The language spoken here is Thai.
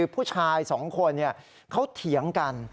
ผู้ชาย๒คนเขาเถียงกัน